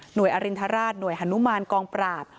หน่วยอรินทราชหน่วยหนุมารกองปราบ